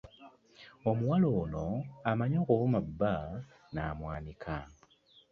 Omuwala oyo amanyi okuvuma bba n'amwanika.